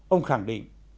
ông khẳng định